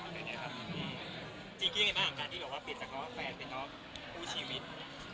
จริงคิดยังไงบ้างการที่เป็นสักครั้งแฟนเป็นสักครั้งคู่ชีวิต